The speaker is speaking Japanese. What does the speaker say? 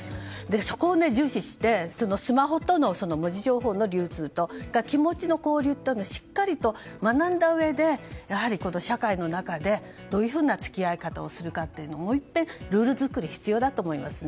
そこを重視してスマホとの文字情報の流通と気持ちの交流というのをしっかりと学んだうえでやはり社会の中でどういうふうな付き合い方をするのかもう１回ルール作りが必要だと思いますね。